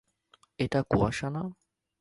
এটা কুয়াশা না।